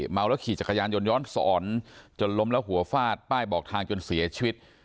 เมาแล้วขี่จักรยานยนย้อนสอนจนล้มแล้วหัวฟาดป้ายบอกทางจนเสียชีวิต